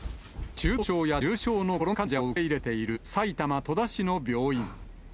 中等症や重症のコロナ患者を受け入れている、埼玉・戸田市の病院。